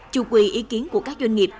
chủ quy ý kiến của các doanh nghiệp